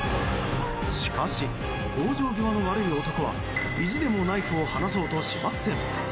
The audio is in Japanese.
しかし、往生際の悪い男は意地でもナイフを放そうとしません。